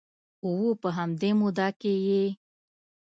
و په همدې موده کې یې